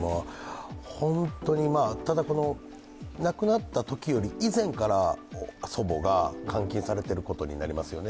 ただこの亡くなったときより以前から、祖母が監禁されていることになりますよね。